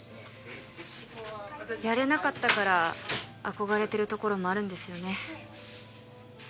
やれなかったから憧れてるところもあるんですよね